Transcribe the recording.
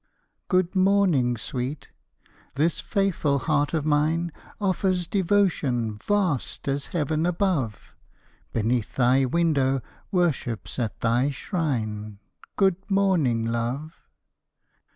Good morning, sweet! this faithful heart of mine Offers devotion vast as Heaven above, Beneath thy window, worships at thy shrine; Good morning, love.